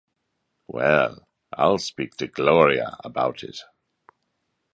Well, I'll speak to Gloria about it.